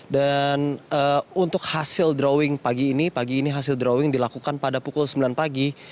dan untuk hasil drawing pagi ini hasil drawing dilakukan pada pukul sembilan pagi